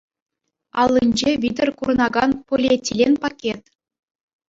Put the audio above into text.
Аллинче витӗр курӑнакан полиэтилен пакет.